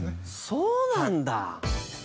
そうなんだ！